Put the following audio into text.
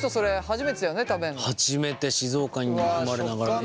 初めて静岡に生まれながら。